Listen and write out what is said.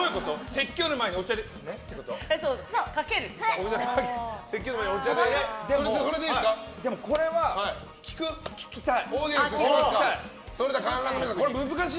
説教の前にでも、これは聞きたい。